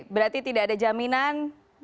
berarti tidak ada jaminan